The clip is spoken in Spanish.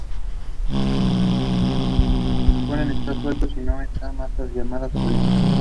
El polen no está suelto sino en masas llamadas polinias.